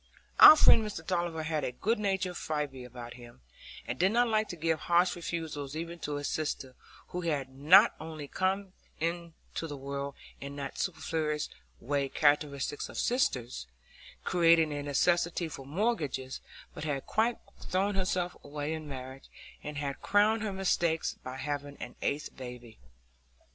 Our friend Mr Tulliver had a good natured fibre in him, and did not like to give harsh refusals even to his sister, who had not only come in to the world in that superfluous way characteristic of sisters, creating a necessity for mortgages, but had quite thrown herself away in marriage, and had crowned her mistakes by having an eighth baby.